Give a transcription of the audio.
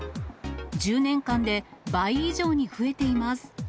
１０年間で倍以上に増えています。